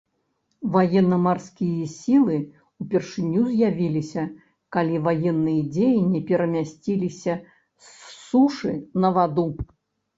Ваенна-марскія сілы ўпершыню з'явіліся калі ваенныя дзеянні перамясціліся з сушы на ваду.